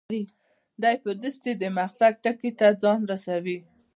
دی په دستي د مقصد ټکي ته ځان رسوي.